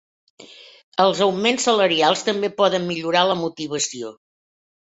Els augments salarials també poden millorar la motivació.